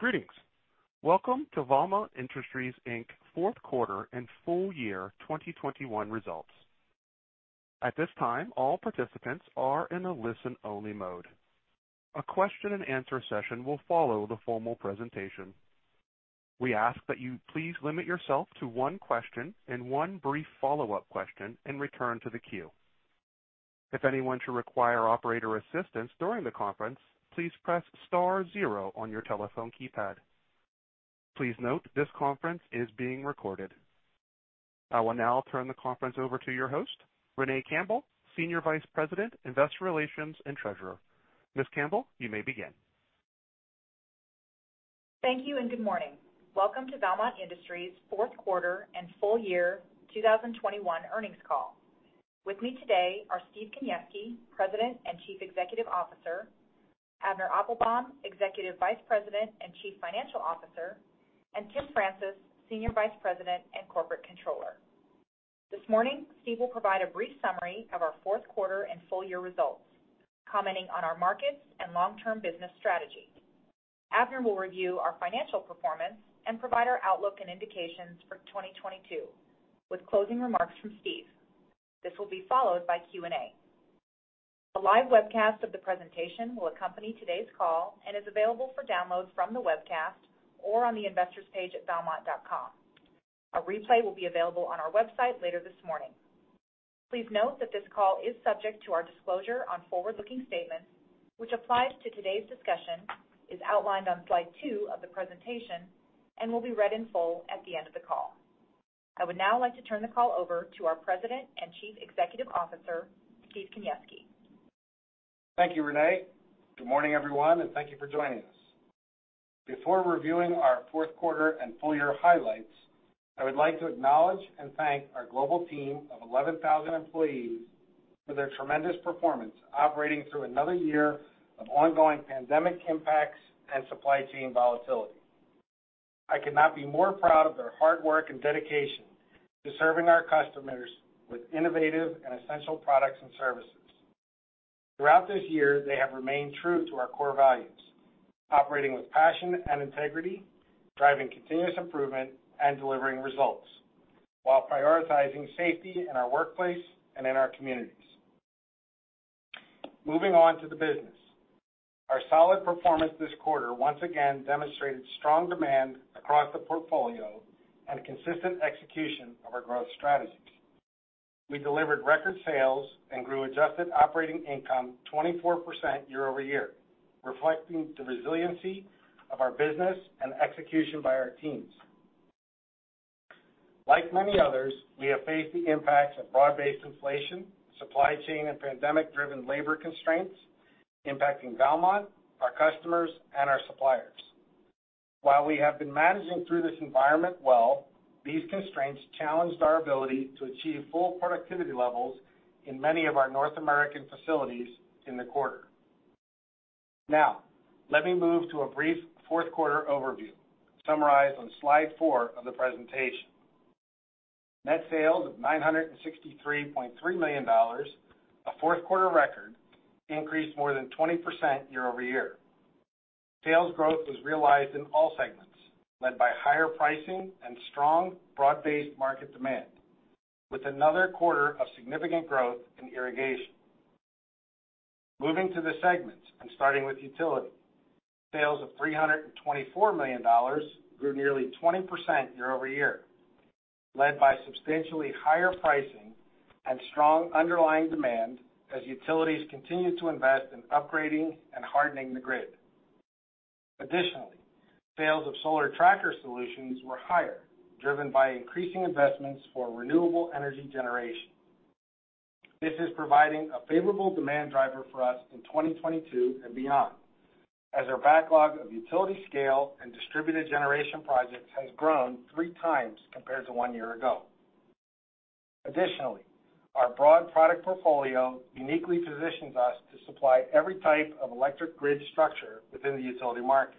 Greetings. Welcome to Valmont Industries, Inc. fourth quarter and full year 2021 results. At this time, all participants are in a listen-only mode. A question and answer session will follow the formal presentation. We ask that you please limit yourself to one question and one brief follow-up question and return to the queue. If anyone should require operator assistance during the conference, please press star zero on your telephone keypad. Please note this conference is being recorded. I will now turn the conference over to your host, Renee Campbell, Senior Vice President, Investor Relations and Treasurer. Ms. Campbell, you may begin. Thank you, and good morning. Welcome to Valmont Industries fourth quarter and full year 2021 earnings call. With me today are Steve Kaniewski, President and Chief Executive Officer, Avner Applbaum, Executive Vice President and Chief Financial Officer, and Tim Francis, Senior Vice President and Corporate Controller. This morning, Steve will provide a brief summary of our Q4 and full year results, commenting on our markets and long-term business strategy. Avner will review our financial performance and provide our outlook and indications for 2022, with closing remarks from Steve. This will be followed by Q&A. A live webcast of the presentation will accompany today's call and is available for download from the webcast or on the investors page at valmont.com. A replay will be available on our website later this morning. Please note that this call is subject to our disclosure on forward-looking statements, which applies to today's discussion, is outlined on slide two of the presentation, and will be read in full at the end of the call. I would now like to turn the call over to our President and Chief Executive Officer, Steve Kaniewski. Thank you, Renee. Good morning, everyone, and thank you for joining us. Before reviewing our fourth quarter and full year highlights, I would like to acknowledge and thank our global team of 11,000 employees for their tremendous performance operating through another year of ongoing pandemic impacts and supply chain volatility. I could not be more proud of their hard work and dedication to serving our customers with innovative and essential products and services. Throughout this year, they have remained true to our core values. Operating with passion and integrity, driving continuous improvement, and delivering results while prioritizing safety in our workplace and in our communities. Moving on to the business. Our solid performance this quarter once again demonstrated strong demand across the portfolio and consistent execution of our growth strategies. We delivered record sales and grew adjusted operating income 24% year-over-year, reflecting the resiliency of our business and execution by our teams. Like many others, we have faced the impacts of broad-based inflation, supply chain and pandemic-driven labor constraints impacting Valmont, our customers, and our suppliers. While we have been managing through this environment well, these constraints challenged our ability to achieve full productivity levels in many of our North American facilities in the quarter. Now, let me move to a brief fourth quarter overview, summarized on slide four of the presentation. Net sales of $963.3 million, a fourth quarter record, increased more than 20% year-over-year. Sales growth was realized in all segments, led by higher pricing and strong broad-based market demand, with another quarter of significant growth in Irrigation. Moving to the segments and starting with Utility. Sales of $324 million grew nearly 20% year-over-year, led by substantially higher pricing and strong underlying demand as utilities continued to invest in upgrading and hardening the grid. Additionally, sales of solar tracker solutions were higher, driven by increasing investments for renewable energy generation. This is providing a favorable demand driver for us in 2022 and beyond, as our backlog of utility scale and distributed generation projects has grown 3x compared to one year ago. Additionally, our broad product portfolio uniquely positions us to supply every type of electric grid structure within the utility market,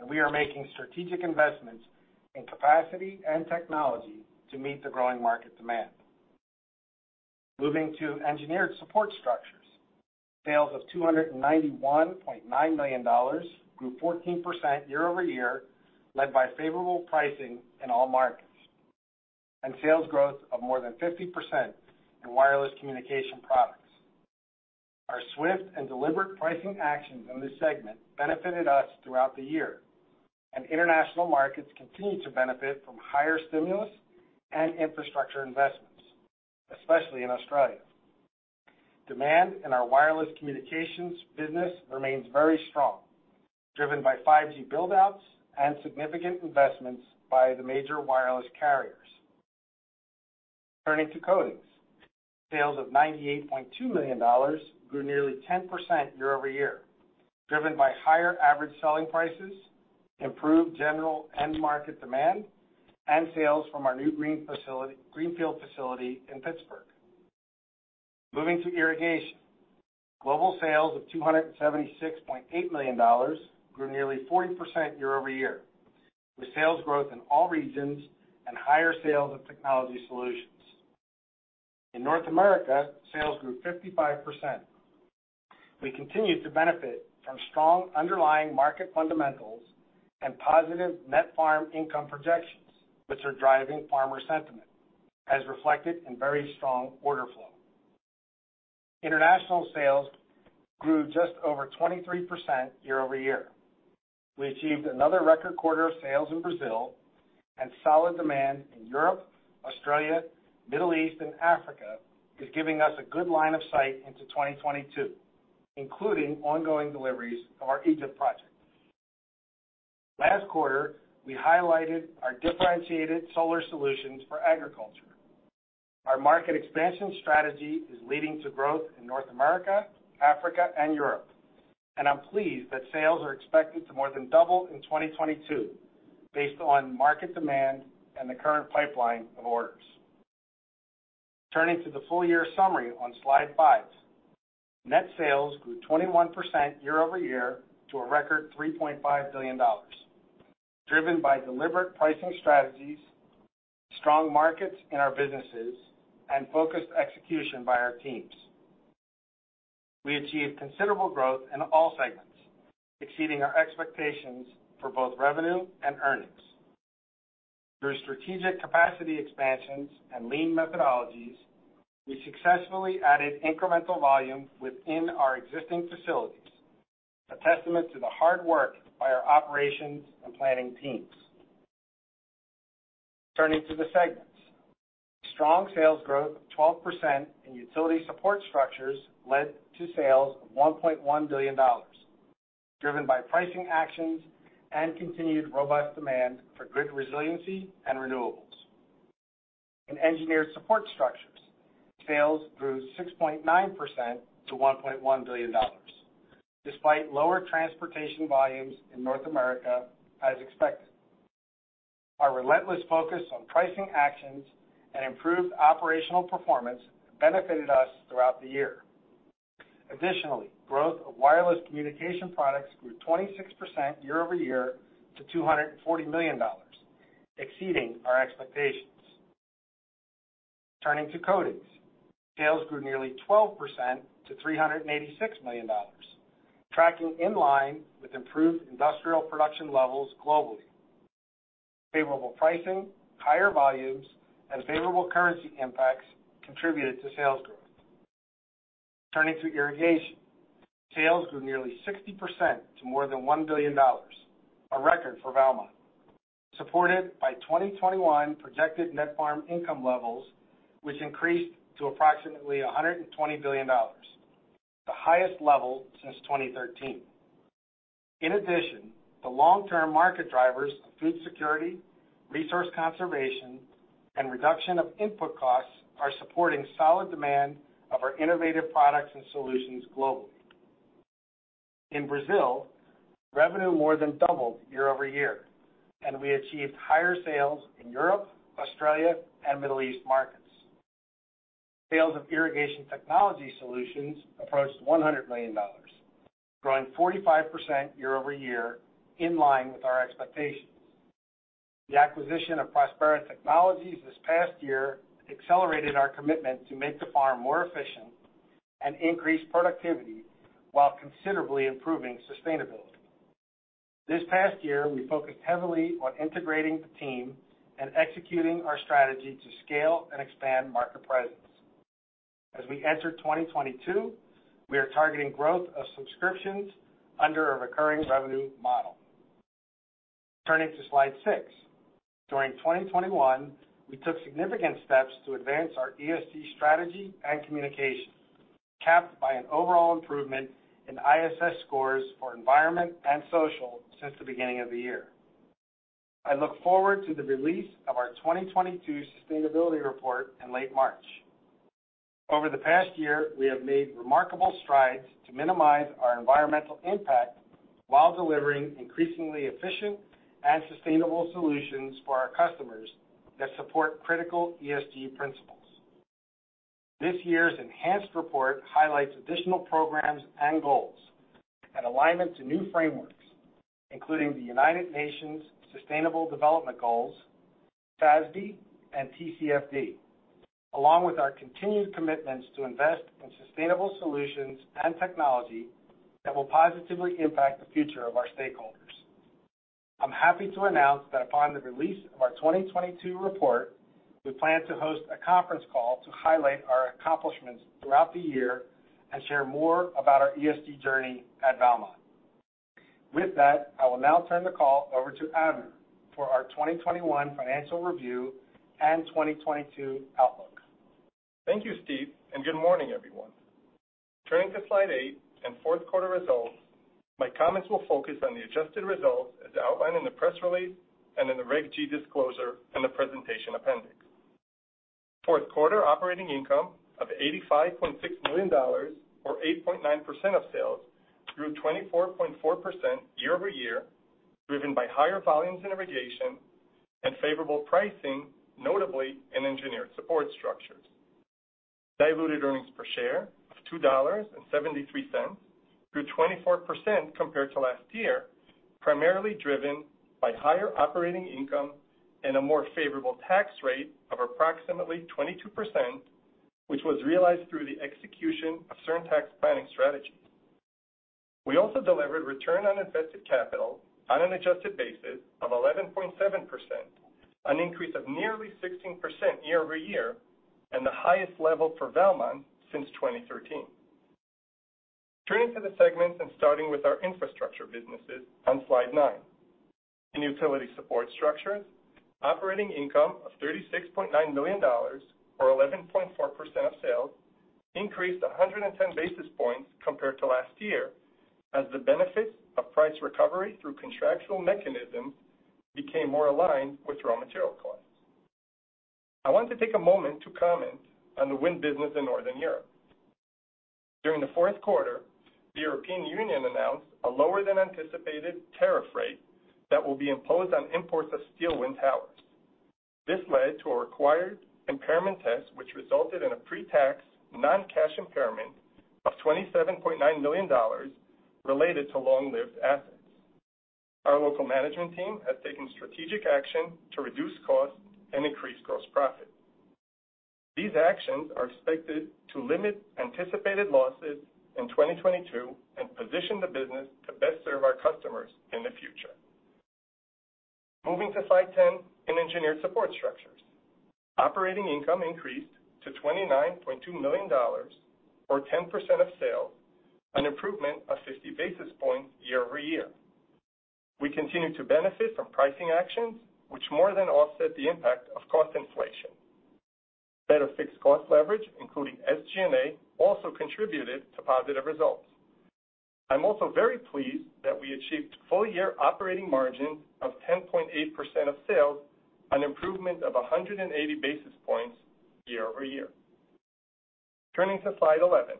and we are making strategic investments in capacity and technology to meet the growing market demand. Moving to Engineered Support Structures. Sales of $291.9 million grew 14% year-over-year, led by favorable pricing in all markets and sales growth of more than 50% in wireless communication products. Our swift and deliberate pricing actions in this segment benefited us throughout the year, and international markets continue to benefit from higher stimulus and infrastructure investments, especially in Australia. Demand in our wireless communications business remains very strong, driven by 5G build-outs and significant investments by the major wireless carriers. Turning to Coatings. Sales of $98.2 million grew nearly 10% year-over-year, driven by higher average selling prices, improved general end market demand, and sales from our new greenfield facility in Pittsburgh. Moving to Irrigation. Global sales of $276.8 million grew nearly 40% year-over-year, with sales growth in all regions and higher sales of technology solutions. In North America, sales grew 55%. We continued to benefit from strong underlying market fundamentals and positive net farm income projections, which are driving farmer sentiment, as reflected in very strong order flow. International sales grew just over 23% year-over-year. We achieved another record quarter of sales in Brazil, and solid demand in Europe, Australia, Middle East, and Africa is giving us a good line of sight into 2022, including ongoing deliveries of our Egypt project. Last quarter, we highlighted our differentiated solar solutions for agriculture. Our market expansion strategy is leading to growth in North America, Africa, and Europe. I'm pleased that sales are expected to more than double in 2022 based on market demand and the current pipeline of orders. Turning to the full year summary on slide five. Net sales grew 21% year-over-year to a record $3.5 billion, driven by deliberate pricing strategies, strong markets in our businesses, and focused execution by our teams. We achieved considerable growth in all segments, exceeding our expectations for both revenue and earnings. Through strategic capacity expansions and lean methodologies, we successfully added incremental volume within our existing facilities, a testament to the hard work by our operations and planning teams. Turning to the segments. Strong sales growth of 12% in Utility Support Structures led to sales of $1.1 billion, driven by pricing actions and continued robust demand for grid resiliency and renewables. In Engineered Support Structures, sales grew 6.9% to $1.1 billion, despite lower transportation volumes in North America as expected. Our relentless focus on pricing actions and improved operational performance benefited us throughout the year. Additionally, growth of wireless communication products grew 26% year-over-year to $240 million, exceeding our expectations. Turning to Coatings. Sales grew nearly 12% to $386 million, tracking in line with improved industrial production levels globally. Favorable pricing, higher volumes, and favorable currency impacts contributed to sales growth. Turning to Irrigation. Sales grew nearly 60% to more than $1 billion, a record for Valmont, supported by 2021 projected net farm income levels, which increased to approximately $120 billion, the highest level since 2013. In addition, the long-term market drivers of food security, resource conservation, and reduction of input costs are supporting solid demand of our innovative products and solutions globally. In Brazil, revenue more than doubled year-over-year, and we achieved higher sales in Europe, Australia, and Middle East markets. Sales of Irrigation Technology Solutions approached $100 million, growing 45% year-over-year in line with our expectations. The acquisition of Prospera Technologies this past year accelerated our commitment to make the farm more efficient and increase productivity while considerably improving sustainability. This past year, we focused heavily on integrating the team and executing our strategy to scale and expand market presence. As we enter 2022, we are targeting growth of subscriptions under a recurring revenue model. Turning to slide six. During 2021, we took significant steps to advance our ESG strategy and communication, capped by an overall improvement in ISS scores for environment and social since the beginning of the year. I look forward to the release of our 2022 sustainability report in late March. Over the past year, we have made remarkable strides to minimize our environmental impact while delivering increasingly efficient and sustainable solutions for our customers that support critical ESG principles. This year's enhanced report highlights additional programs and goals and alignment to new frameworks, including the United Nations Sustainable Development Goals, SASB, and TCFD, along with our continued commitments to invest in sustainable solutions and technology that will positively impact the future of our stakeholders. I'm happy to announce that upon the release of our 2022 report, we plan to host a conference call to highlight our accomplishments throughout the year and share more about our ESG journey at Valmont. With that, I will now turn the call over to Avner for our 2021 financial review and 2022 outlook. Thank you, Steve, and good morning, everyone. Turning to slide eight and fourth quarter results, my comments will focus on the adjusted results as outlined in the press release and in the Reg G disclosure in the presentation appendix. Fourth quarter operating income of $85.6 million or 8.9% of sales grew 24.4% year-over-year, driven by higher volumes in Irrigation and favorable pricing, notably in Engineered Support Structures. Diluted earnings per share of $2.73 grew 24% compared to last year, primarily driven by higher operating income and a more favorable tax rate of approximately 22%, which was realized through the execution of certain tax planning strategies. We also delivered return on invested capital on an adjusted basis of 11.7%, an increase of nearly 16% year-over-year, and the highest level for Valmont since 2013. Turning to the segments and starting with our infrastructure businesses on slide nine. In Utility Support Structures, operating income of $36.9 million or 11.4% of sales increased 110 basis points compared to last year as the benefits of price recovery through contractual mechanisms became more aligned with raw material costs. I want to take a moment to comment on the wind business in Northern Europe. During the fourth quarter, the European Union announced a lower than anticipated tariff rate that will be imposed on imports of steel wind towers. This led to a required impairment test which resulted in a pre-tax non-cash impairment of $27.9 million related to long-lived assets. Our local management team has taken strategic action to reduce costs and increase gross profit. These actions are expected to limit anticipated losses in 2022 and position the business to best serve our customers in the future. Moving to slide 10 in Engineered Support Structures. Operating income increased to $29.2 million or 10% of sales, an improvement of 50 basis points year-over-year. We continue to benefit from pricing actions which more than offset the impact of cost inflation. Better fixed cost leverage, including SG&A, also contributed to positive results. I'm also very pleased that we achieved full-year operating margin of 10.8% of sales, an improvement of 180 basis points year-over-year. Turning to slide 11.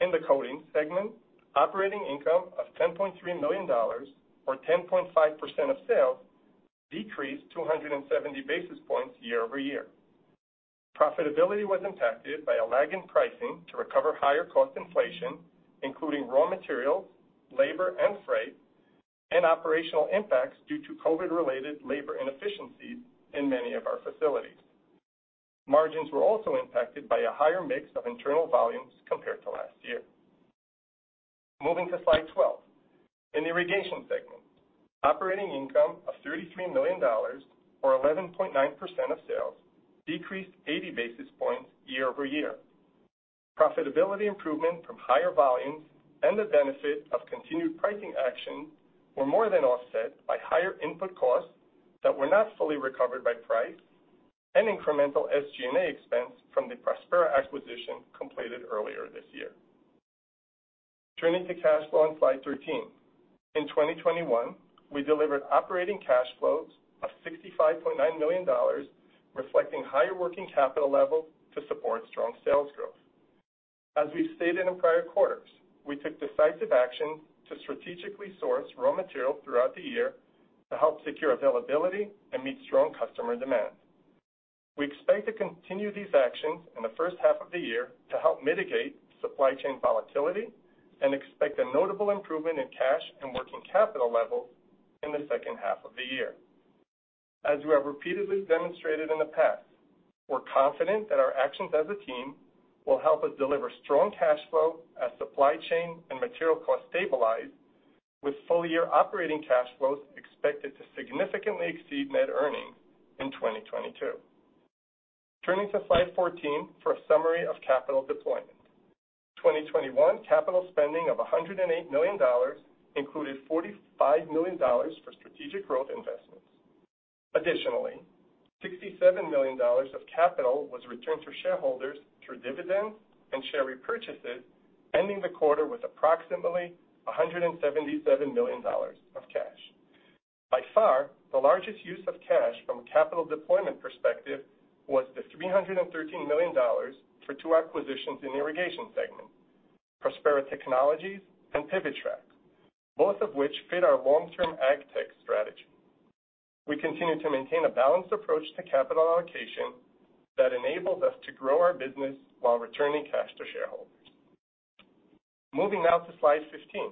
In the Coatings segment, operating income of $10.3 million or 10.5% of sales decreased 270 basis points year-over-year. Profitability was impacted by a lag in pricing to recover higher cost inflation, including raw materials, labor, and freight, and operational impacts due to COVID-related labor inefficiencies in many of our facilities. Margins were also impacted by a higher mix of internal volumes compared to last year. Moving to slide 12. In Irrigation segment, operating income of $33 million or 11.9% of sales decreased 80 basis points year-over-year. Profitability improvement from higher volumes and the benefit of continued pricing action were more than offset by higher input costs that were not fully recovered by price and incremental SG&A expense from the Prospera acquisition completed earlier this year. Turning to cash flow on slide 13. In 2021, we delivered operating cash flows of $65.9 million, reflecting higher working capital level to support strong sales growth. As we've stated in prior quarters, we took decisive action to strategically source raw material throughout the year to help secure availability and meet strong customer demand. We expect to continue these actions in the first half of the year to help mitigate supply chain volatility and expect a notable improvement in cash and working capital levels in the second half of the year. As we have repeatedly demonstrated in the past, we're confident that our actions as a team will help us deliver strong cash flow as supply chain and material costs stabilize with full-year operating cash flows expected to significantly exceed net earnings in 2022. Turning to slide 14 for a summary of capital deployment. 2021 capital spending of $108 million included $45 million for strategic growth investments. Additionally, $67 million of capital was returned to shareholders through dividends and share repurchases, ending the quarter with approximately $177 million of cash. By far, the largest use of cash from a capital deployment perspective was the $313 million for two acquisitions in Irrigation segment, Prospera Technologies and PivoTrac, both of which fit our long-term AgTech strategy. We continue to maintain a balanced approach to capital allocation that enables us to grow our business while returning cash to shareholders. Moving now to slide 15.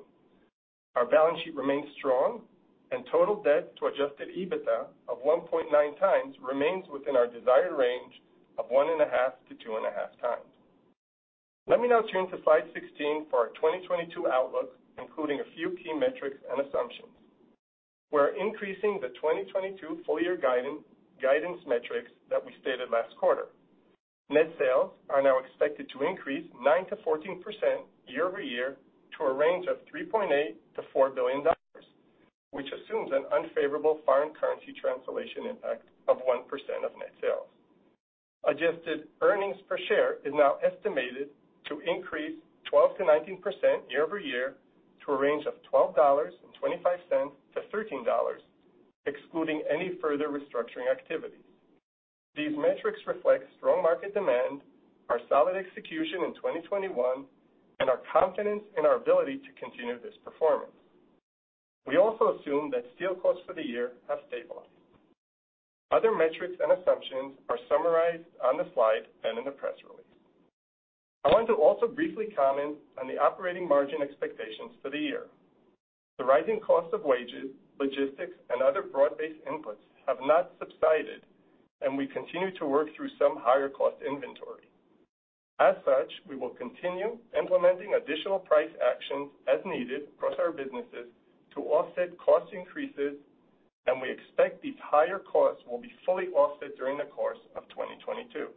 Our balance sheet remains strong and total debt to adjusted EBITDA of 1.9x remains within our desired range of 1.5x-2.5x. Let me now turn to slide 16 for our 2022 outlook, including a few key metrics and assumptions. We're increasing the 2022 full-year guidance metrics that we stated last quarter. Net sales are now expected to increase 9%-14% year-over-year to a range of $3.8 billion-$4 billion, which assumes an unfavorable foreign currency translation impact of 1% of net sales. Adjusted earnings per share is now estimated to increase 12%-19% year-over-year to a range of $12.25-$13, excluding any further restructuring activities. These metrics reflect strong market demand, our solid execution in 2021, and our confidence in our ability to continue this performance. We also assume that steel costs for the year have stabilized. Other metrics and assumptions are summarized on the slide and in the press release. I want to also briefly comment on the operating margin expectations for the year. The rising cost of wages, logistics, and other broad-based inputs have not subsided, and we continue to work through some higher cost inventory. As such, we will continue implementing additional price actions as needed across our businesses to offset cost increases, and we expect these higher costs will be fully offset during the course of 2022.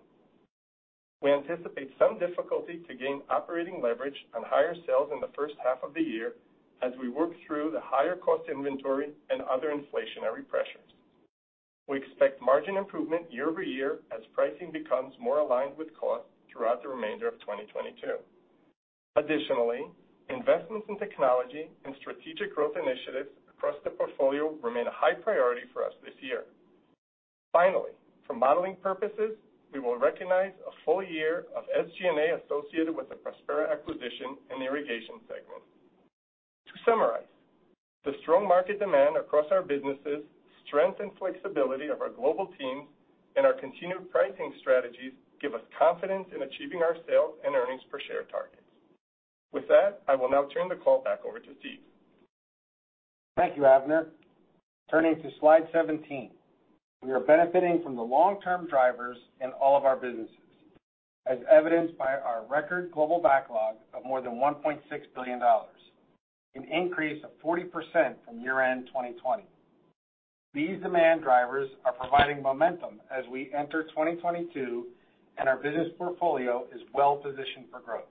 We anticipate some difficulty to gain operating leverage on higher sales in the first half of the year as we work through the higher cost inventory and other inflationary pressures. We expect margin improvement year-over-year as pricing becomes more aligned with cost throughout the remainder of 2022. Additionally, investments in technology and strategic growth initiatives across the portfolio remain a high priority for us this year. Finally, for modeling purposes, we will recognize a full year of SG&A associated with the Prospera acquisition in the Irrigation segment. To summarize, the strong market demand across our businesses, strength and flexibility of our global teams, and our continued pricing strategies give us confidence in achieving our sales and earnings per share targets. With that, I will now turn the call back over to Steve. Thank you, Avner. Turning to slide 17. We are benefiting from the long-term drivers in all of our businesses, as evidenced by our record global backlog of more than $1.6 billion, an increase of 40% from year-end 2020. These demand drivers are providing momentum as we enter 2022, and our business portfolio is well-positioned for growth.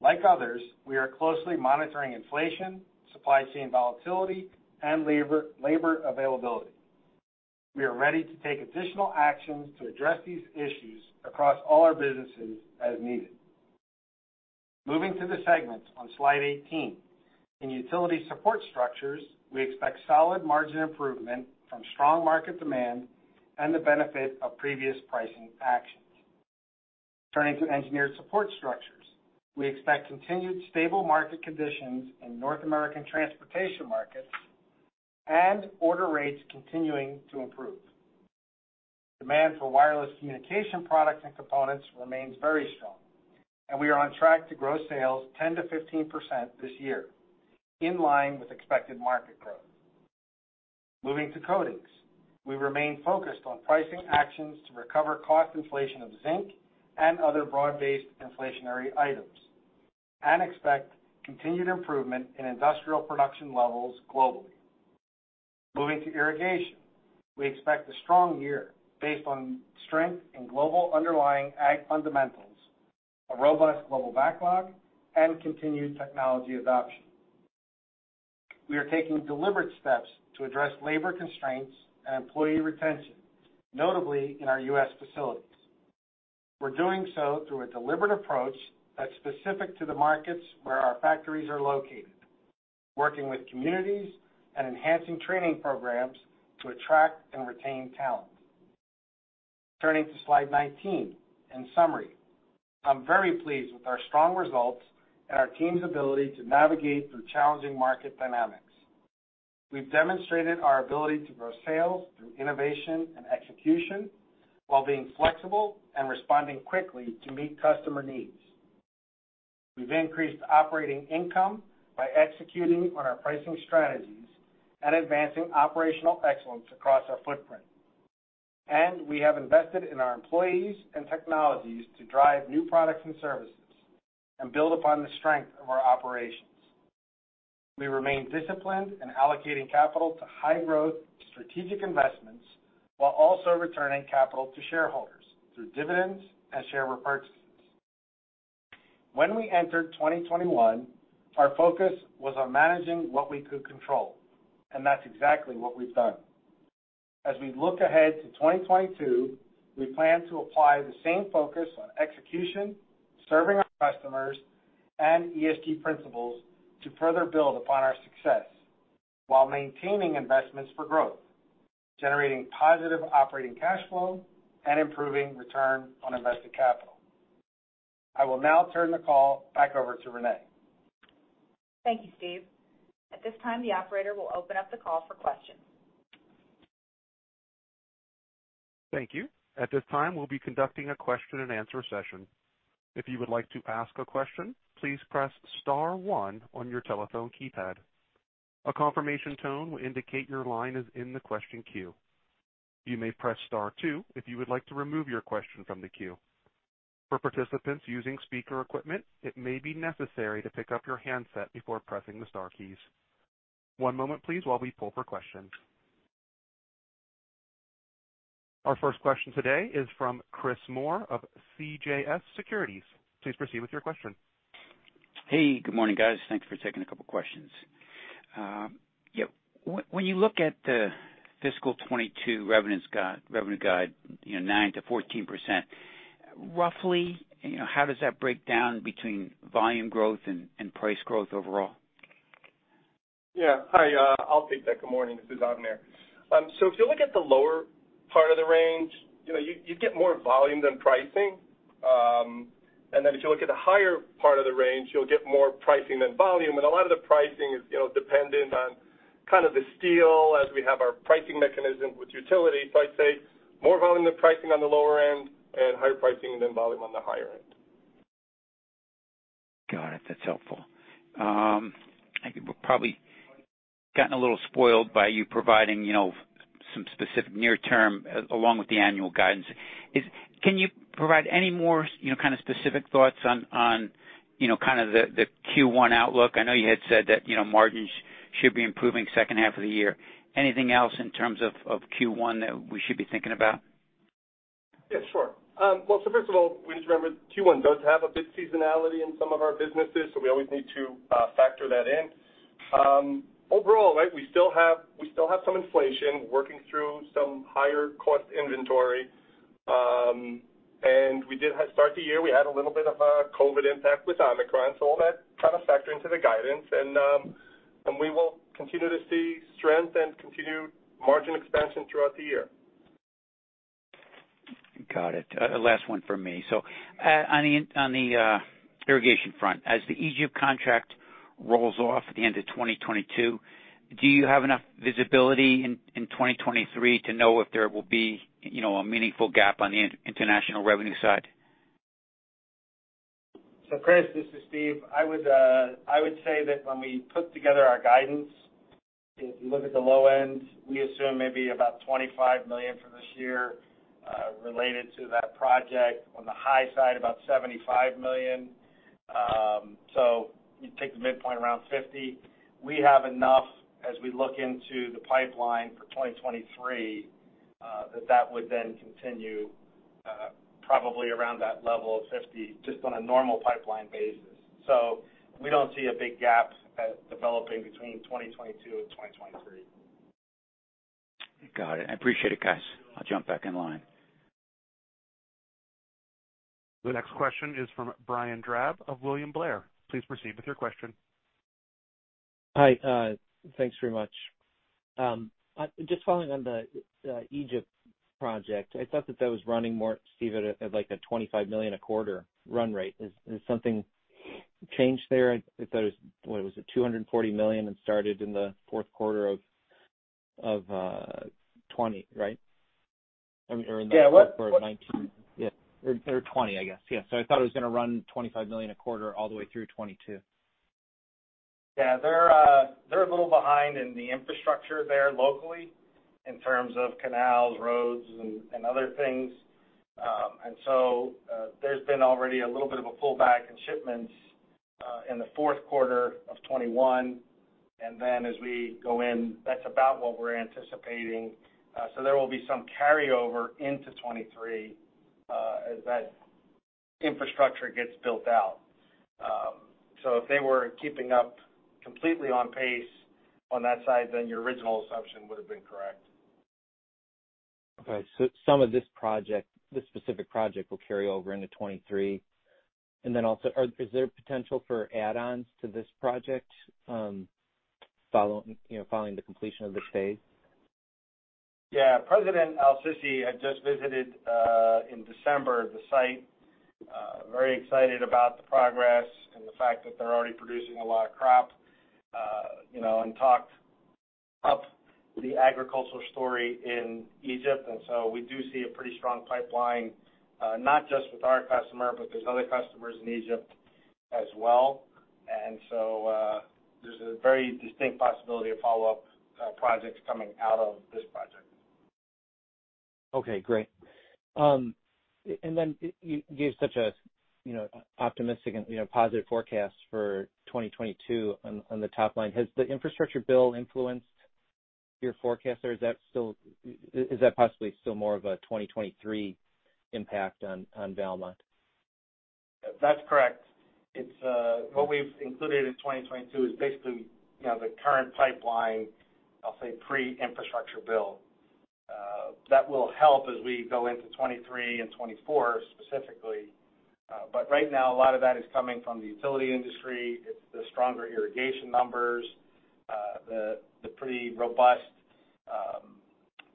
Like others, we are closely monitoring inflation, supply chain volatility, and labor availability. We are ready to take additional actions to address these issues across all our businesses as needed. Moving to the segments on slide 18. In Utility Support Structures, we expect solid margin improvement from strong market demand and the benefit of previous pricing actions. Turning to Engineered Support Structures. We expect continued stable market conditions in North American transportation markets and order rates continuing to improve. Demand for wireless communication products and components remains very strong, and we are on track to grow sales 10%-15% this year, in line with expected market growth. Moving to Coatings. We remain focused on pricing actions to recover cost inflation of zinc and other broad-based inflationary items, and expect continued improvement in industrial production levels globally. Moving to Irrigation. We expect a strong year based on strength in global underlying ag fundamentals, a robust global backlog, and continued technology adoption. We are taking deliberate steps to address labor constraints and employee retention, notably in our U.S. facilities. We're doing so through a deliberate approach that's specific to the markets where our factories are located, working with communities and enhancing training programs to attract and retain talent. Turning to slide 19. In summary, I'm very pleased with our strong results and our team's ability to navigate through challenging market dynamics. We've demonstrated our ability to grow sales through innovation and execution while being flexible and responding quickly to meet customer needs. We've increased operating income by executing on our pricing strategies and advancing operational excellence across our footprint. We have invested in our employees and technologies to drive new products and services and build upon the strength of our operations. We remain disciplined in allocating capital to high-growth strategic investments while also returning capital to shareholders through dividends and share repurchases. When we entered 2021, our focus was on managing what we could control, and that's exactly what we've done. As we look ahead to 2022, we plan to apply the same focus on execution, serving our customers, and ESG principles to further build upon our success while maintaining investments for growth, generating positive operating cash flow, and improving return on invested capital. I will now turn the call back over to Renee. Thank you, Steve. At this time, the operator will open up the call for questions. Thank you. At this time, we'll be conducting a question-and-answer session. If you would like to ask a question, please press star one on your telephone keypad. A confirmation tone will indicate your line is in the question queue. You may press star two if you would like to remove your question from the queue. For participants using speaker equipment, it may be necessary to pick up your handset before pressing the star keys. One moment, please, while we poll for questions. Our first question today is from Chris Moore of CJS Securities. Please proceed with your question. Hey, good morning, guys. Thanks for taking a couple questions. Yeah, when you look at the fiscal 2022 revenue guide, you know, 9%-14%, roughly, you know, how does that break down between volume growth and price growth overall? Yeah. Hi, I'll take that. Good morning. This is Avner. So if you look at the lower part of the range, you know, you get more volume than pricing. Then if you look at the higher part of the range, you'll get more pricing than volume. A lot of the pricing is, you know, dependent on kind of the steel as we have our pricing mechanism with utility. I'd say more volume than pricing on the lower end and higher pricing than volume on the higher end. Got it. That's helpful. I think we've probably gotten a little spoiled by you providing, you know, some specific near term along with the annual guidance. Can you provide any more, you know, kind of specific thoughts on, you know, kind of the Q1 outlook? I know you had said that, you know, margins should be improving second half of the year. Anything else in terms of Q1 that we should be thinking about? Yeah, sure. Well, first of all, we just remember Q1 does have a bit seasonality in some of our businesses, so we always need to factor that in. Overall, right, we still have some inflation working through some higher cost inventory. We did start the year, we had a little bit of a COVID impact with Omicron. All that kind of factor into the guidance, and we will continue to see strength and continued margin expansion throughout the year. Got it. Last one from me. On the Irrigation front, as the Egypt contract rolls off at the end of 2022, do you have enough visibility in 2023 to know if there will be, you know, a meaningful gap on the international revenue side? Chris, this is Steve. I would say that when we put together our guidance, if you look at the low end, we assume maybe about $25 million for this year related to that project. On the high side, about $75 million. You take the midpoint around $50 million. We have enough as we look into the pipeline for 2023 that would then continue probably around that level of $50 million just on a normal pipeline basis. We don't see a big gap developing between 2022 and 2023. Got it. I appreciate it, guys. I'll jump back in line. The next question is from Brian Drab of William Blair. Please proceed with your question. Hi, thanks very much. Just following on the Egypt project. I thought that was running more, Steve, at like a $25 million a quarter run rate. Has something changed there? I thought it was, what was it, $240 million and started in the fourth quarter of 2020, right? Or in the- Yeah. What- Fourth quarter of 2019. Yeah. Or 2020, I guess. Yeah. I thought it was gonna run $25 million a quarter all the way through 2022. Yeah, they're a little behind in the infrastructure there locally in terms of canals, roads, and other things. There's been already a little bit of a pullback in shipments in the fourth quarter of 2021. As we go in, that's about what we're anticipating. There will be some carryover into 2023 as that infrastructure gets built out. If they were keeping up completely on pace on that side, then your original assumption would have been correct. Okay. Some of this project, this specific project will carry over into 2023. Also, is there potential for add-ons to this project, you know, following the completion of this phase? Yeah. President El-Sisi had just visited in December the site. Very excited about the progress and the fact that they're already producing a lot of crop, you know, and talked up the agricultural story in Egypt. We do see a pretty strong pipeline, not just with our customer, but there's other customers in Egypt as well. There's a very distinct possibility of follow-up projects coming out of this project. Okay, great. You gave such a, you know, optimistic and, you know, positive forecast for 2022 on the top line. Has the infrastructure bill influenced your forecast, or is that possibly still more of a 2023 impact on Valmont? That's correct. It's what we've included in 2022 is basically, you know, the current pipeline, I'll say pre-infrastructure bill. That will help as we go into 2023 and 2024 specifically. Right now, a lot of that is coming from the utility industry. It's the stronger irrigation numbers, the pretty robust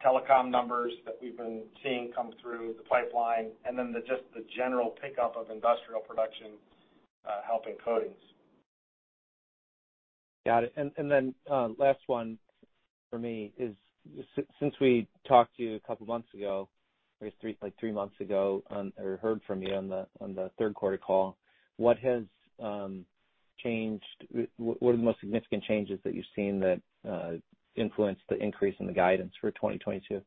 telecom numbers that we've been seeing come through the pipeline, and then just the general pickup of industrial production, helping coatings. Got it. Last one for me is since we talked to you a couple months ago, I guess three, like three months ago we heard from you on the third quarter call, what has changed? What are the most significant changes that you've seen that influenced the increase in the guidance for 2022?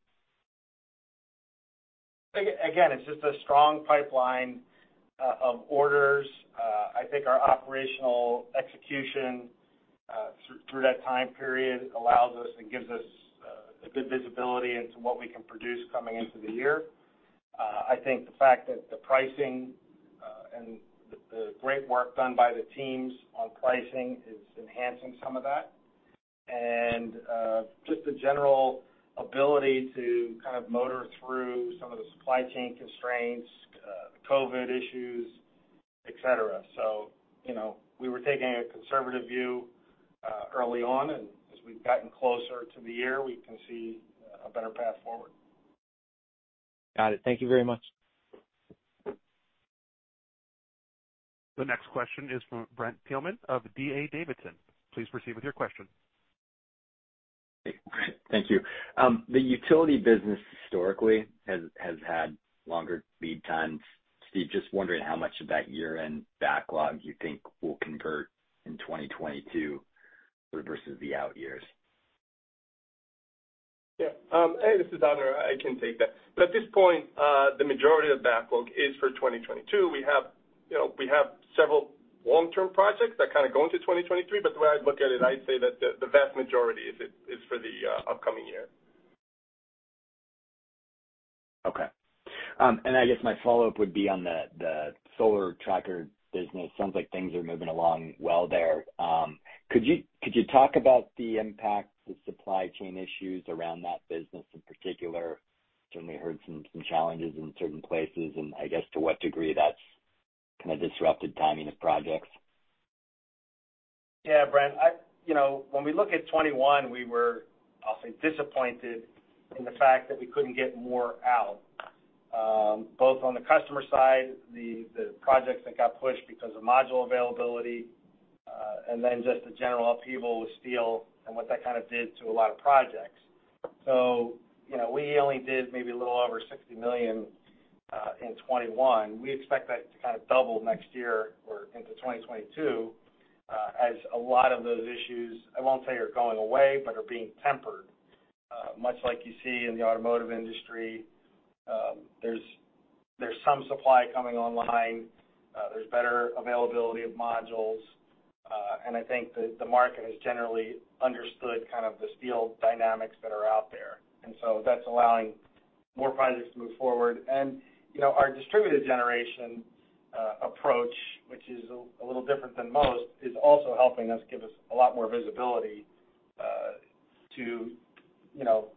Again, it's just a strong pipeline of orders. I think our operational execution through that time period allows us and gives us a good visibility into what we can produce coming into the year. I think the fact that the pricing and the great work done by the teams on pricing is enhancing some of that. Just the general ability to kind of motor through some of the supply chain constraints, the COVID issues, et cetera. You know, we were taking a conservative view early on, and as we've gotten closer to the year, we can see a better path forward. Got it. Thank you very much. The next question is from Brent Thielman of D.A. Davidson. Please proceed with your question. Thank you. The utility business historically has had longer lead times. Steve, just wondering how much of that year-end backlog you think will convert in 2022 versus the out years? Yeah. Hey, this is Avner. I can take that. At this point, the majority of the backlog is for 2022. We have, you know, we have several long-term projects that kind of go into 2023, but the way I look at it, I'd say that the vast majority is for the upcoming year. I guess my follow-up would be on the solar tracker business. Sounds like things are moving along well there. Could you talk about the impact of the supply chain issues around that business in particular? Certainly heard some challenges in certain places, and I guess to what degree that's kinda disrupted timing of projects. Yeah, Brent. You know, when we look at 2021, we were, I'll say, disappointed in the fact that we couldn't get more out, both on the customer side, the projects that got pushed because of module availability, and then just the general upheaval with steel and what that kind of did to a lot of projects. You know, we only did maybe a little over $60 million in 2021. We expect that to kind of double next year or into 2022, as a lot of those issues, I won't say are going away, but are being tempered. Much like you see in the automotive industry, there's some supply coming online. There's better availability of modules. And I think that the market has generally understood kind of the steel dynamics that are out there. That's allowing more projects to move forward. You know, our distributed generation approach, which is a little different than most, is also helping us give us a lot more visibility to you know,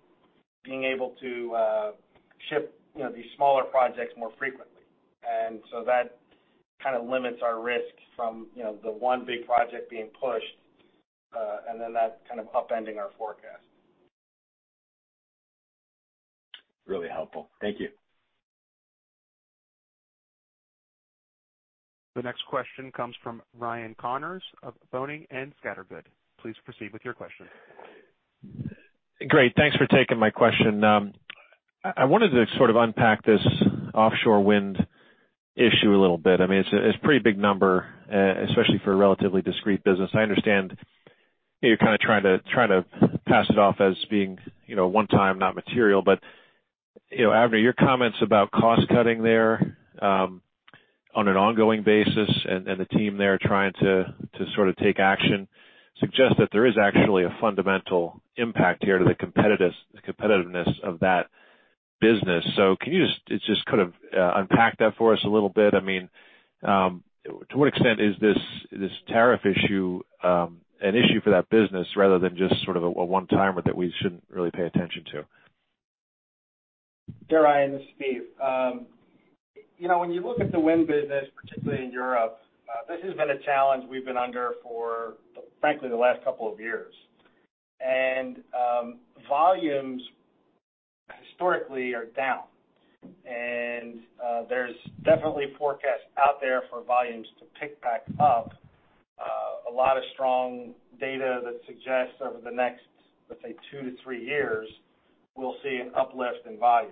being able to ship you know, these smaller projects more frequently. That kind of limits our risk from you know, the one big project being pushed and then that kind of upending our forecast. Really helpful. Thank you. The next question comes from Ryan Connors of Boenning & Scattergood. Please proceed with your question. Great. Thanks for taking my question. I wanted to sort of unpack this offshore wind issue a little bit. I mean, it's a pretty big number, especially for a relatively discrete business. I understand, you know, you're trying to pass it off as being, you know, one time, not material. You know, Avner, your comments about cost cutting there, on an ongoing basis and the team there trying to sort of take action suggests that there is actually a fundamental impact here to the competitiveness of that business. Can you just kind of unpack that for us a little bit? I mean, to what extent is this tariff issue an issue for that business rather than just sort of a one-timer that we shouldn't really pay attention to? Sure, Ryan, this is Steve. You know, when you look at the wind business, particularly in Europe, this has been a challenge we've been under for, frankly, the last couple of years. Volumes historically are down. There's definitely forecasts out there for volumes to pick back up. A lot of strong data that suggests over the next, let's say, two to three years, we'll see an uplift in volume.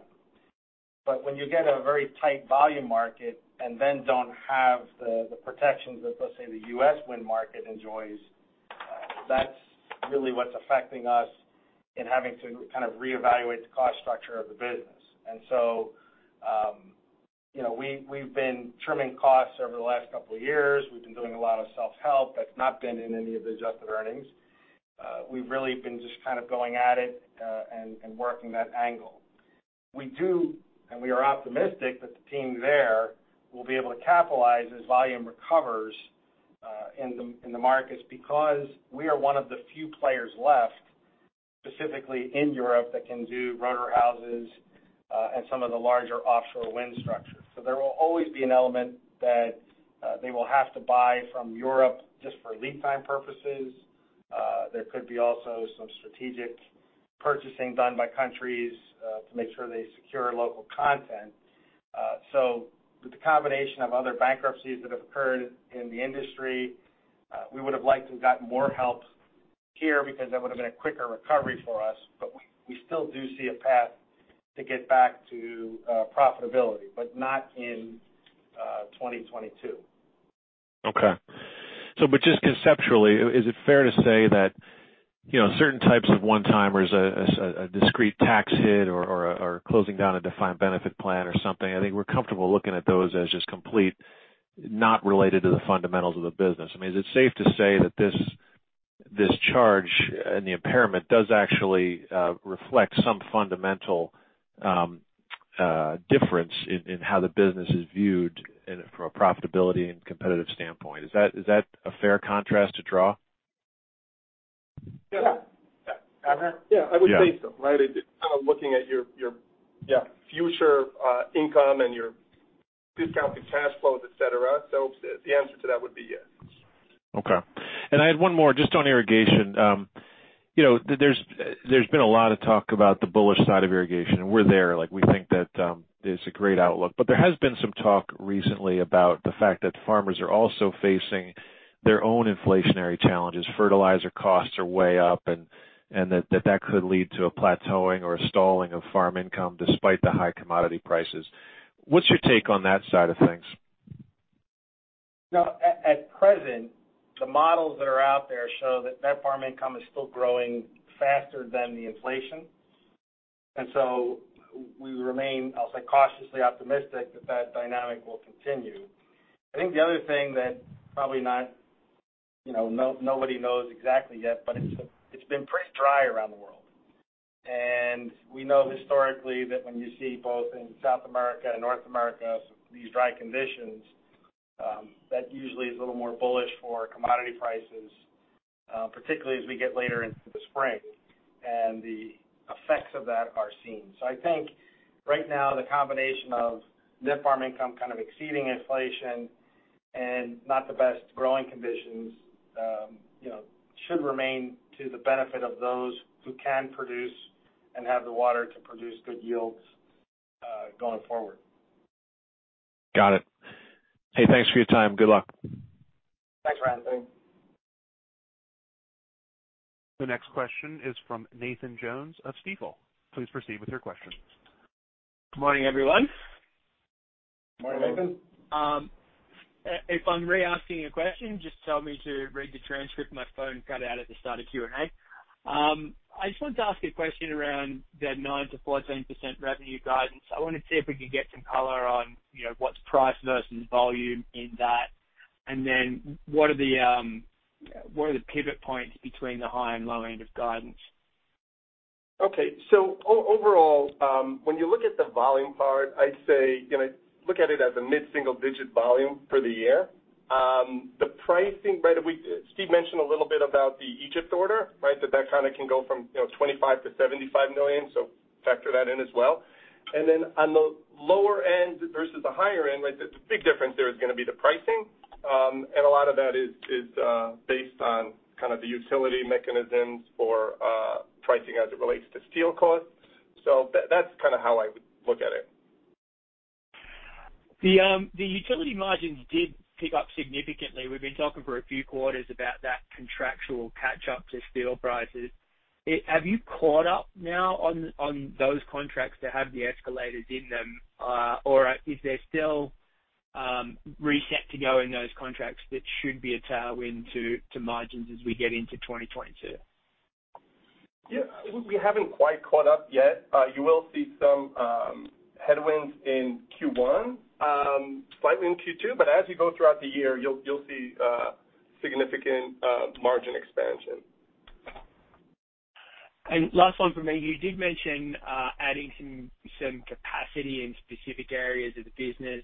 When you get a very tight volume market and then don't have the protections that, let's say, the U.S. wind market enjoys, that's really what's affecting us in having to kind of reevaluate the cost structure of the business. You know, we've been trimming costs over the last couple of years. We've been doing a lot of self-help. That's not been in any of the adjusted earnings. We've really been just kind of going at it, and working that angle. We do, and we are optimistic that the team there will be able to capitalize as volume recovers, in the markets because we are one of the few players left, specifically in Europe, that can do rotor houses, and some of the larger offshore wind structures. There will always be an element that, they will have to buy from Europe just for lead time purposes. There could be also some strategic purchasing done by countries, to make sure they secure local content. With the combination of other bankruptcies that have occurred in the industry, we would have liked to have gotten more help here because that would have been a quicker recovery for us. We still do see a path to get back to profitability, but not in 2022. Just conceptually, is it fair to say that, you know, certain types of one-timers, a discrete tax hit or closing down a defined benefit plan or something, I think we're comfortable looking at those as just complete, not related to the fundamentals of the business. I mean, is it safe to say that this charge and the impairment does actually reflect some fundamental difference in how the business is viewed in it from a profitability and competitive standpoint? Is that a fair contrast to draw? Yeah. Yeah. Avner? Yeah, I would say so, right? Kind of looking at your- Yeah.... future income and your discounted cash flows, et cetera. The answer to that would be yes. Okay. I had one more just on Irrigation. You know, there's been a lot of talk about the bullish side of Irrigation, and we're there. Like, we think that it's a great outlook. There has been some talk recently about the fact that farmers are also facing their own inflationary challenges. Fertilizer costs are way up, and that could lead to a plateauing or a stalling of farm income despite the high commodity prices. What's your take on that side of things? No, at present, the models that are out there show that net farm income is still growing faster than the inflation. We remain, I'll say, cautiously optimistic that that dynamic will continue. I think the other thing that, you know, nobody knows exactly yet, but it's been pretty dry around the world. We know historically that when you see both in South America and North America, these dry conditions that usually is a little more bullish for commodity prices, particularly as we get later into the spring and the effects of that are seen. I think right now the combination of net farm income kind of exceeding inflation and not the best growing conditions, you know, should remain to the benefit of those who can produce and have the water to produce good yields, going forward. Got it. Hey, thanks for your time. Good luck. Thanks, Ryan. The next question is from Nathan Jones of Stifel. Please proceed with your question. Good morning, everyone. Morning, Nathan. If I'm re-asking a question, just tell me to read the transcript. My phone cut out at the start of Q&A. I just wanted to ask a question around the 9%-14% revenue guidance. I wanted to see if we could get some color on, you know, what's price versus volume in that, and then what are the pivot points between the high and low end of guidance? Okay. Overall, when you look at the volume part, I'd say, you know, look at it as a mid-single-digit volume for the year. The pricing, by the way, Steve mentioned a little bit about the Egypt order, right? That kind of can go from, you know, $25 million-$75 million. Factor that in as well. On the lower end versus the higher end, the big difference there is gonna be the pricing. A lot of that is based on kind of the utility mechanisms for pricing as it relates to steel costs. That's kind of how I would look at it. The utility margins did pick up significantly. We've been talking for a few quarters about that contractual catch up to steel prices. Have you caught up now on those contracts that have the escalators in them? Or is there still reset to go in those contracts that should be a tailwind to margins as we get into 2022? Yeah, we haven't quite caught up yet. You will see some headwinds in Q1, slightly in Q2, but as you go throughout the year, you'll see significant margin expansion. Last one from me. You did mention adding some capacity in specific areas of the business.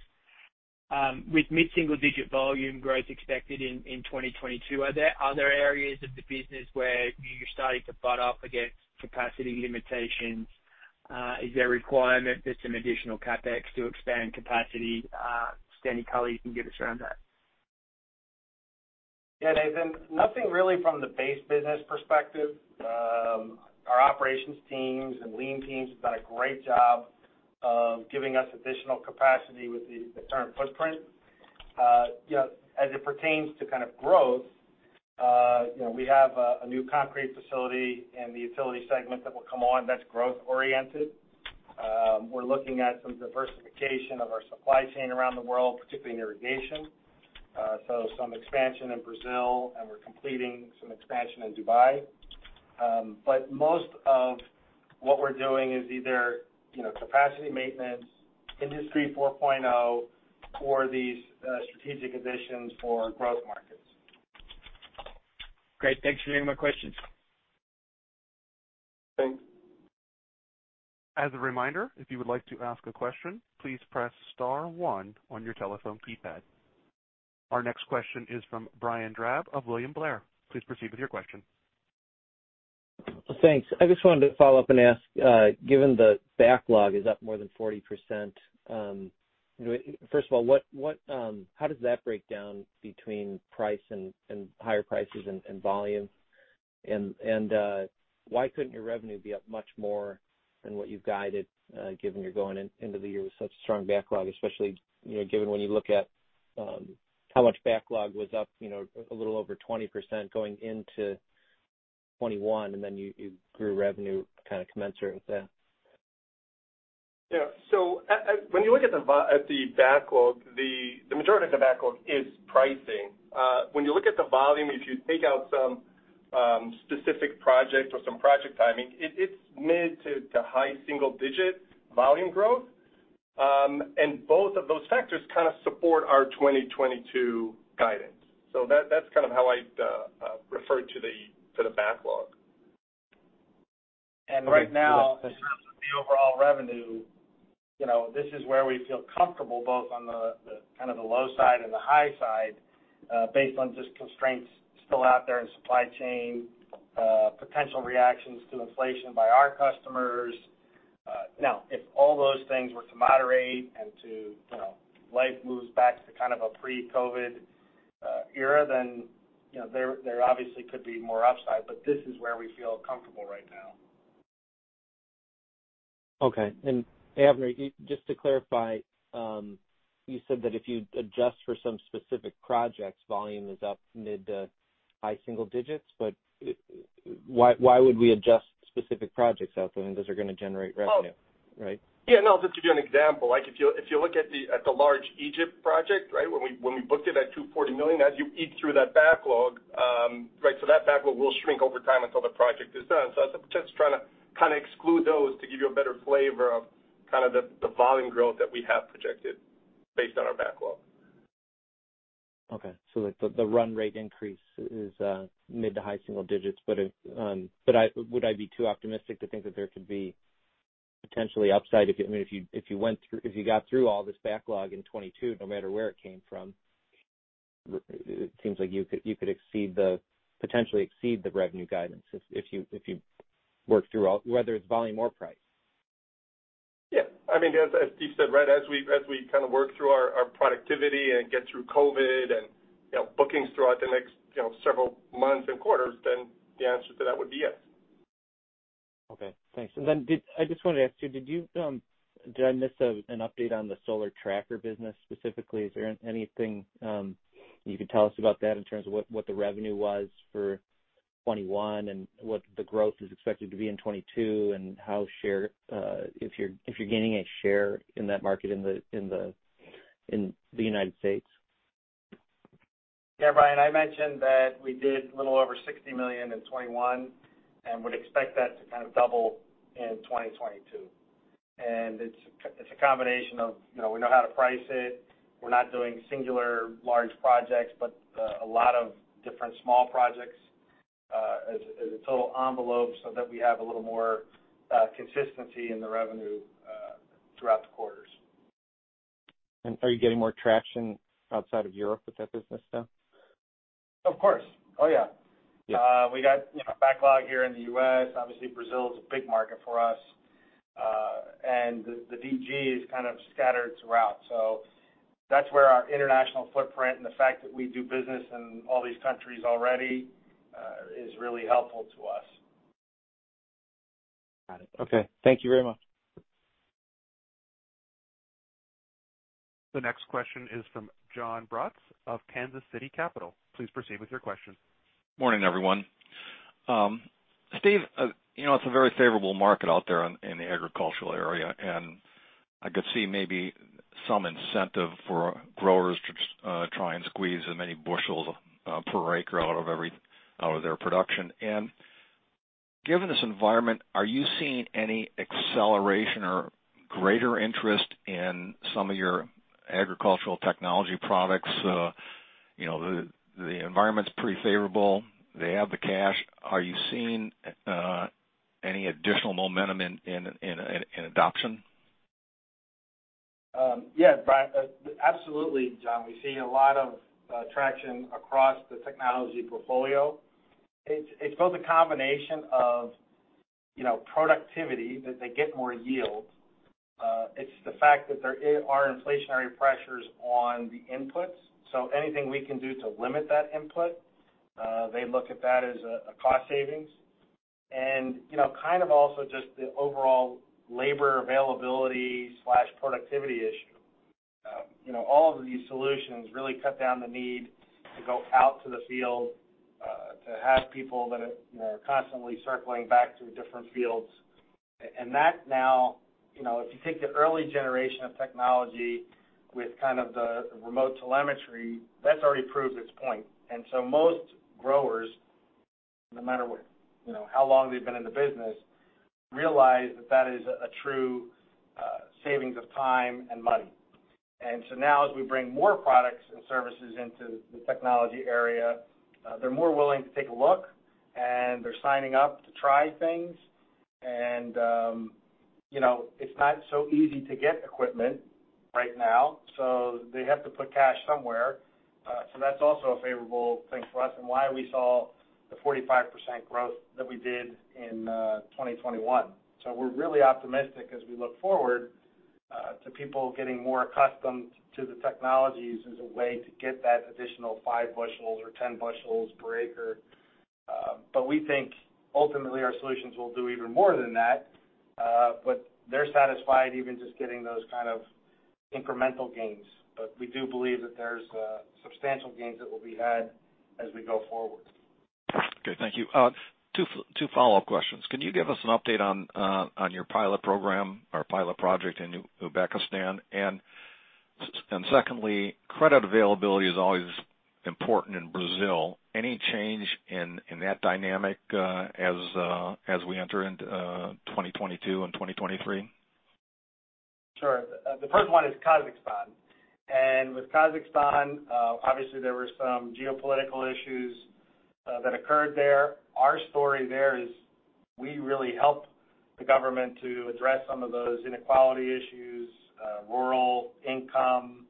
With mid-single-digit volume growth expected in 2022, are there other areas of the business where you're starting to butt up against capacity limitations? Is there a requirement for some additional CapEx to expand capacity? Steve, any color you can give us around that. Yeah, Nathan, nothing really from the base business perspective. Our operations teams and lean teams have done a great job of giving us additional capacity with the current footprint. You know, as it pertains to kind of growth, you know, we have a new concrete facility in the utility segment that will come on that's growth oriented. We're looking at some diversification of our supply chain around the world, particularly in Irrigation. Some expansion in Brazil, and we're completing some expansion in Dubai. Most of what we're doing is either, you know, capacity maintenance, Industry 4.0, or these strategic additions for growth markets. Great. Thanks for taking my questions. Thanks. As a reminder, if you would like to ask a question, please press star one on your telephone keypad. Our next question is from Brian Drab of William Blair. Please proceed with your question. Thanks. I just wanted to follow up and ask, given the backlog is up more than 40%, first of all, how does that break down between price and higher prices and volume? And why couldn't your revenue be up much more than what you've guided, given you're going into the year with such a strong backlog, especially, you know, given when you look at how much backlog was up, you know, a little over 20% going into 2021, and then you grew revenue kinda commensurate with that. When you look at the backlog, the majority of the backlog is pricing. When you look at the volume, if you take out some specific projects or some project timing, it's mid- to high-single digit volume growth. Both of those factors kind of support our 2022 guidance. That's kind of how I'd refer to the backlog. Right now, in terms of the overall revenue, you know, this is where we feel comfortable both on the kind of the low side and the high side, based on just constraints still out there in supply chain, potential reactions to inflation by our customers. If all those things were to moderate and to, you know, life moves back to kind of a pre-COVID era, then, you know, there obviously could be more upside, but this is where we feel comfortable right now. Okay. Avner, just to clarify, you said that if you adjust for some specific projects, volume is up mid- to high-single digits. Why would we adjust specific projects out when those are gonna generate revenue? Oh. Right? Yeah, no, just to give you an example, like if you look at the large Egypt project, right? When we booked it at $240 million, as you eat through that backlog, right? That backlog will shrink over time until the project is done. I was just trying to kinda exclude those to give you a better flavor of kind of the volume growth that we have projected based on our backlog. Like, the run rate increase is mid- to high-single digits %. Would I be too optimistic to think that there could be potential upside if, I mean, if you got through all this backlog in 2022, no matter where it came from? It seems like you could potentially exceed the revenue guidance if you work through all, whether it's volume or price. Yeah. I mean, as Steve said, right, as we kind of work through our productivity and get through COVID and, you know, bookings throughout the next, you know, several months and quarters, then the answer to that would be yes. Okay. Thanks. I just wanted to ask you, did I miss an update on the solar tracker business specifically? Is there anything you can tell us about that in terms of what the revenue was for 2021, and what the growth is expected to be in 2022, and how share if you're gaining a share in that market in the United States? Yeah, Brian, I mentioned that we did a little over $60 million in 2021 and would expect that to kind of double in 2022. It's a combination of, you know, we know how to price it. We're not doing singular large projects, but a lot of different small projects, as a total envelope so that we have a little more consistency in the revenue throughout the quarters. Are you getting more traction outside of Europe with that business now? Of course. Oh, yeah. Yeah. We got, you know, backlog here in the U.S. Obviously, Brazil is a big market for us. The DG is kind of scattered throughout. That's where our international footprint and the fact that we do business in all these countries already is really helpful to us. Got it. Okay. Thank you very much. The next question is from Jon Braatz of Kansas City Capital. Please proceed with your question. Morning, everyone. Steve, you know, it's a very favorable market out there on, in the agricultural area, and I could see maybe some incentive for growers to try and squeeze as many bushels per acre out of their production. Given this environment, are you seeing any acceleration or greater interest in some of your agricultural technology products? You know, the environment's pretty favorable. They have the cash. Are you seeing any additional momentum in adoption? Absolutely, Jon. We're seeing a lot of traction across the technology portfolio. It's both a combination of, you know, productivity, that they get more yield. It's the fact that there are inflationary pressures on the inputs. Anything we can do to limit that input, they look at that as a cost savings. You know, kind of also just the overall labor availability/productivity issue. All of these solutions really cut down the need to go out to the field, to have people that are, you know, constantly circling back to different fields. And that now, you know, if you take the early generation of technology with kind of the remote telemetry, that's already proved its point. Most growers, no matter what, you know, how long they've been in the business, realize that that is a true savings of time and money. Now as we bring more products and services into the technology area, they're more willing to take a look, and they're signing up to try things. You know, it's not so easy to get equipment right now, so they have to put cash somewhere. That's also a favorable thing for us and why we saw the 45% growth that we did in 2021. We're really optimistic as we look forward to people getting more accustomed to the technologies as a way to get that additional five bushels or 10 bushels per acre. We think ultimately our solutions will do even more than that. They're satisfied even just getting those kind of incremental gains. We do believe that there's substantial gains that will be had as we go forward. Okay, thank you. Two follow-up questions. Can you give us an update on your pilot program or pilot project in Uzbekistan? Secondly, credit availability is always important in Brazil. Any change in that dynamic as we enter into 2022 and 2023? Sure. The first one is Kazakhstan. With Kazakhstan, obviously there were some geopolitical issues that occurred there. Our story there is we really helped the government to address some of those inequality issues, rural income,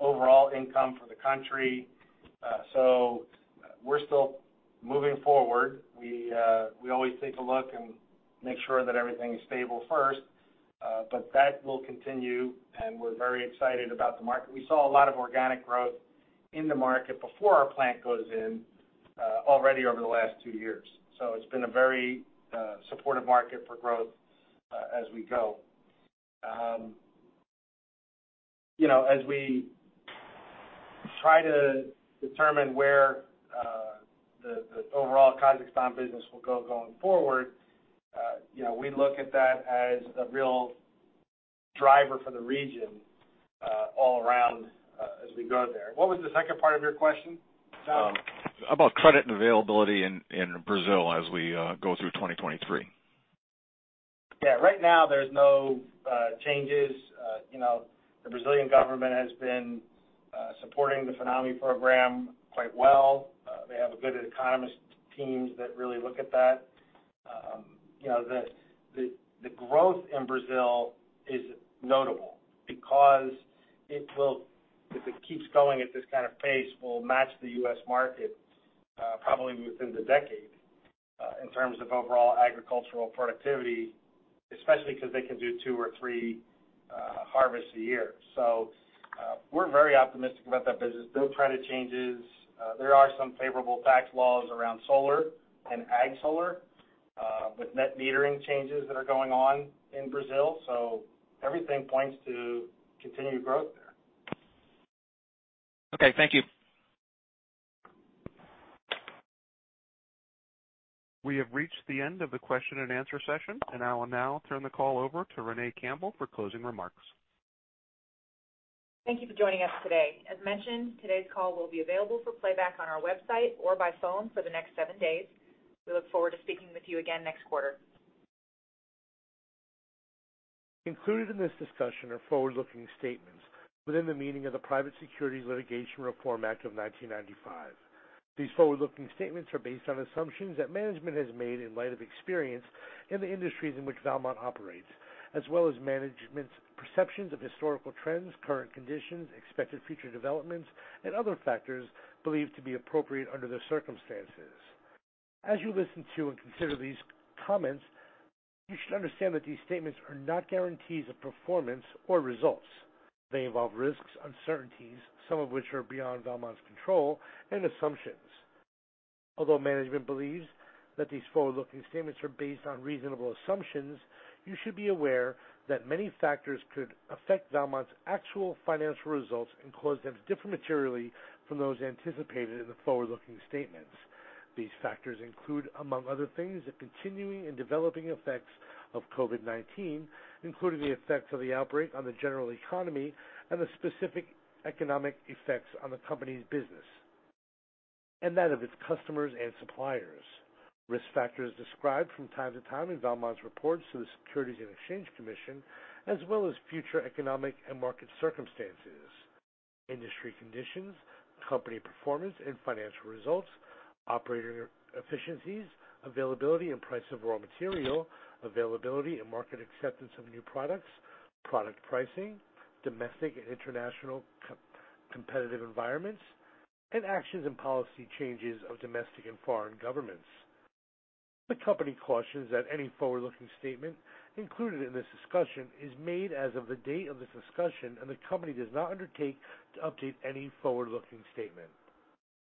overall income for the country. We're still moving forward. We always take a look and make sure that everything is stable first, but that will continue, and we're very excited about the market. We saw a lot of organic growth in the market before our plant goes in, already over the last two years. It's been a very supportive market for growth, as we go. You know, as we try to determine where the overall Kazakhstan business will go going forward, you know, we look at that as a real driver for the region all around, as we go there. What was the second part of your question, Jon? About credit and availability in Brazil as we go through 2023. Yeah. Right now, there's no changes. You know, the Brazilian government has been supporting the FINAME program quite well. They have a good economics team that really looks at that. You know, the growth in Brazil is notable because it will, if it keeps going at this kind of pace, will match the U.S. market, probably within the decade, in terms of overall agricultural productivity, especially 'cause they can do two or three harvests a year. We're very optimistic about that business. No credit changes. There are some favorable tax laws around solar and ag solar, with net metering changes that are going on in Brazil, so everything points to continued growth there. Okay. Thank you. We have reached the end of the question and answer session, and I will now turn the call over to Renee Campbell for closing remarks. Thank you for joining us today. As mentioned, today's call will be available for playback on our website or by phone for the next seven days. We look forward to speaking with you again next quarter. Included in this discussion are forward-looking statements within the meaning of the Private Securities Litigation Reform Act of 1995. These forward-looking statements are based on assumptions that management has made in light of experience in the industries in which Valmont operates, as well as management's perceptions of historical trends, current conditions, expected future developments, and other factors believed to be appropriate under the circumstances. As you listen to and consider these comments, you should understand that these statements are not guarantees of performance or results. They involve risks, uncertainties, some of which are beyond Valmont's control and assumptions. Although management believes that these forward-looking statements are based on reasonable assumptions, you should be aware that many factors could affect Valmont's actual financial results and cause them to differ materially from those anticipated in the forward-looking statements. These factors include, among other things, the continuing and developing effects of COVID-19, including the effects of the outbreak on the general economy and the specific economic effects on the company's business and that of its customers and suppliers. Risk factors described from time to time in Valmont's reports to the Securities and Exchange Commission, as well as future economic and market circumstances, industry conditions, company performance and financial results, operator efficiencies, availability and price of raw material, availability and market acceptance of new products, product pricing, domestic and international competitive environments, and actions and policy changes of domestic and foreign governments. The company cautions that any forward-looking statement included in this discussion is made as of the date of the discussion, and the company does not undertake to update any forward-looking statement.